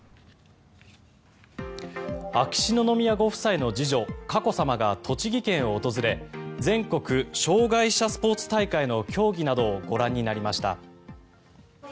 秋篠宮ご夫妻の次女佳子さまが栃木県を訪れ全国障害者スポーツ大会の競技などをご覧になりました。